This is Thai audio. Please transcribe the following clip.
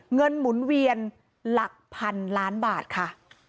หมุนเวียนหลักพันล้านบาทค่ะ